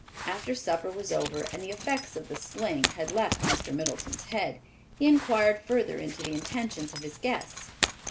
After supper was over and the effects of the sling had left Mr. Middleton's head, he inquired further into the intentions of his guests.